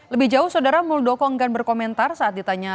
lebih jauh saudara muldoko enggan berkomentar saat ditanya